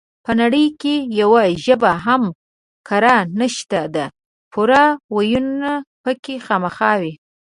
په نړۍ کې يوه ژبه هم کره نشته ده پور وييونه پکې خامخا وي